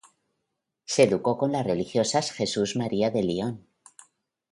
Se educó con las religiosas Jesús María de Lyon.